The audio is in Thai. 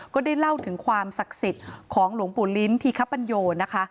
ก็ได้เล่าถึงความศักดิ์สิทธิ์ของหลวงปู่ลิ้นทีคปัญโยนะคะ